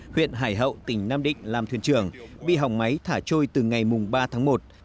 huyện hải hậu tỉnh nam định làm thuyền trưởng bị hỏng máy thả trôi từ ngày ba tháng một